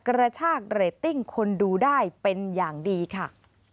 กระชากเรตติ้งคนดูได้เป็นอย่างดีค่ะ